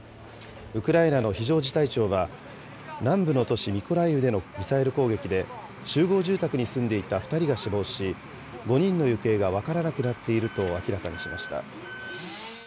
ウクライナの非常事態庁は、南部の都市ミコライウでのミサイル攻撃で、集合住宅に住んでいた２人が死亡し、５人の行方が分からなくなっていると明らかにしました。